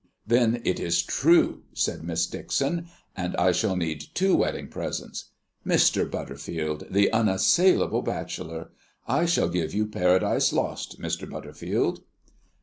"Then it is true!" said Miss Dixon, "and I shall need two wedding presents. Mr. Butterfield, the unassailable bachelor! I shall give you Paradise Lost, Mr. Butterfield."